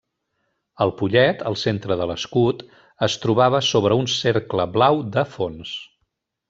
El pollet, al centre de l'escut, es trobava sobre un cercle blau de fons.